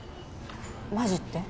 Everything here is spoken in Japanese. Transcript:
マジって？